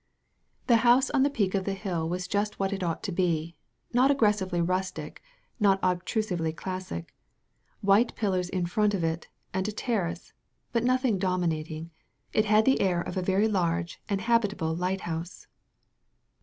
The house on the peak of the hill was just what it ought to be; not aggressively rustic, not obtru sively classic — ^white pillars in front of it, and a THE VALLEY OF VISION terrace, but nothing dominating — ^it had the air of a very large and habitable lighthouse.